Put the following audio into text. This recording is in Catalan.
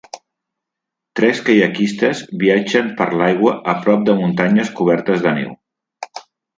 tres caiaquistes viatgen per l'aigua a prop de muntanyes cobertes de neu.